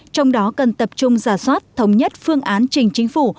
trong đó cần tập trung giả soát thống nhất phương án trình chính phủ